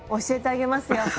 教えてあげますよ。